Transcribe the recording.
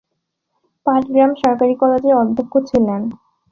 পাটগ্রাম সরকারি কলেজের অধ্যক্ষ ছিলেন।